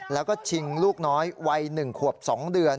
แล้วก็ชิงลูกน้อยวัย๑ขวบ๒เดือน